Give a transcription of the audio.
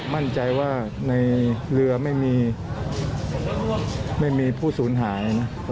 มั่นใจว่าในเรือไม่มีผู้ศูนย์หายนะ